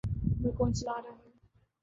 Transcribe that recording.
ملک کون چلا رہا ہے؟